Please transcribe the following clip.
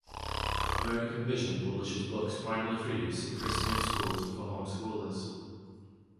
American Vision publishes books primarily for use in Christian schools and for home schoolers.